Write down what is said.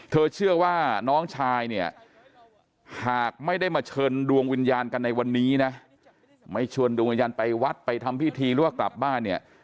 เชื่อว่าน้องชายเนี่ยหากไม่ได้มาเชิญดวงวิญญาณกันในวันนี้นะไม่ชวนดวงวิญญาณไปวัดไปทำพิธีหรือว่ากลับบ้านเนี่ย